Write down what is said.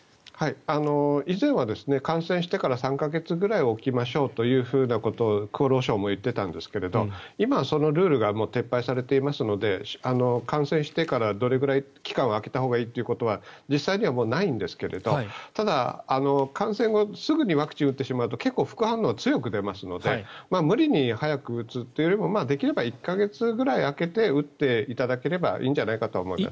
以前は感染してから３か月くらい置きましょうということを厚労省も言っていたんですが今はそのルールが撤廃されていますので感染してからどれくらい期間を空けたほうがいいというのは実際にはもうないんですけどもただ、感染後すぐにワクチンを打ってしまうと結構副反応が強く出ますので無理に早く打つというよりもできれば１か月ぐらい空けて打っていただければいいんじゃないかと思います。